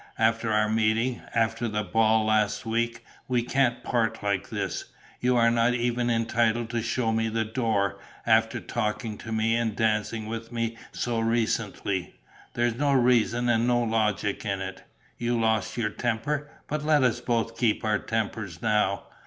After our meeting, after the ball last week, we can't part like this. You are not even entitled to show me the door, after talking to me and dancing with me so recently. There's no reason and no logic in it. You lost your temper. But let us both keep our tempers now.